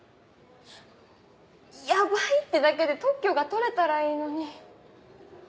「ヤバい」ってだけで特許が取れたらいいのに。